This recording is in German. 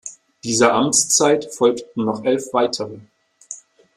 Dieser Amtszeit folgten noch elf weitere.